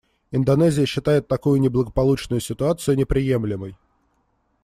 Индонезия считает такую неблагополучную ситуацию неприемлемой.